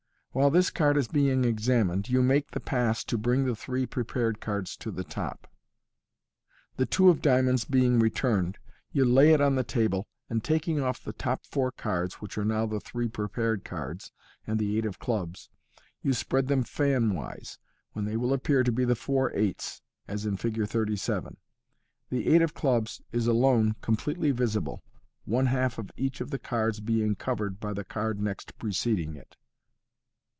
While this card is being examined, you make the pass to bring the three pre pared cards on the top. The two of diamonds being returned, you lay it on the table, and taking off the four top cards, which are now the three prepared cards and the eight of clubs, you spread them fanwise, when they will appear to be the four eights, as in Fig 37 The eight of clubs is alone completely visible, one half of each of the other cards being covered by the card next preceding it.